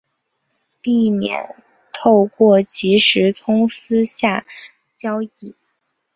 避免透过即时通私下交易